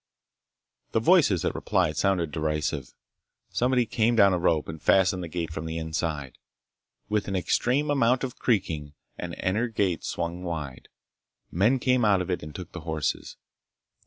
The voices that replied sounded derisive. Somebody came down a rope and fastened the gate from the inside. With an extreme amount of creaking, an inner gate swung wide. Men came out of it and took the horses.